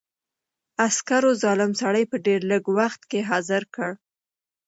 عسکرو ظالم سړی په ډېر لږ وخت کې حاضر کړ.